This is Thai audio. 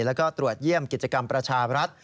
แล้วก็ตรวจเยี่ยมกิจกรรมประชารัฐ